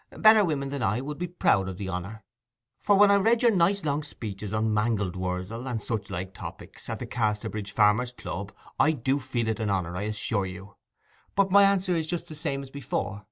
Better women than I would be proud of the honour, for when I read your nice long speeches on mangold wurzel, and such like topics, at the Casterbridge Farmers' Club, I do feel it an honour, I assure you. But my answer is just the same as before.